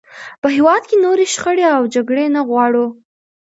په هېواد کې نورې شخړې او جګړې نه غواړو.